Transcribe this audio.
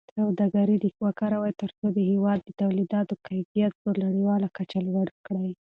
سوداګري وکاروئ ترڅو د هېواد د تولیداتو کیفیت په نړیواله کچه لوړ کړئ.